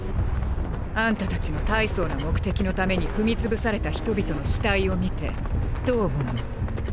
あんたたちの大層な目的のために踏み潰された人々の死体を見てどう思うの？